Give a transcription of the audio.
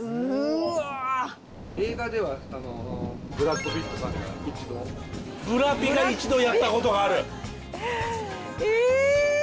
うわ映画ではブラッド・ピットさんが一度ブラピが一度やったことがあるえ！？